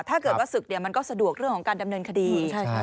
ถ้าเกิดศึกเนี่ยมันก็สะดวกเรื่องของการดำเนินคดี